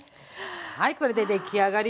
はいこれで出来上がりです。